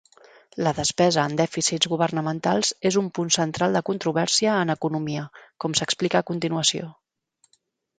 La despesa en dèficits governamentals és un punt central de controvèrsia en economia, com s'explica a continuació.